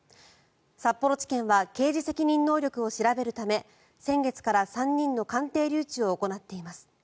札幌地検は刑事責任能力を調べるため先月から３人の鑑定留置を行っています。